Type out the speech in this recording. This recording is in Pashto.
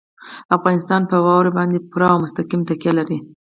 افغانستان په واوره باندې پوره او مستقیمه تکیه لري.